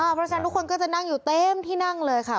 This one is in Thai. เพราะฉะนั้นทุกคนก็จะนั่งอยู่เต็มที่นั่งเลยค่ะ